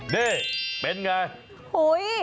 นี่เป็นไง